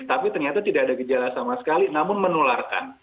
tapi ternyata tidak ada gejala sama sekali namun menularkan